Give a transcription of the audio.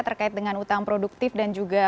terkait dengan utang produktif dan juga